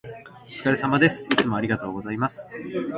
お疲れ様です。いつもありがとうございます。